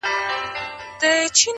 جاله وان ورباندي ږغ کړل ملاجانه؛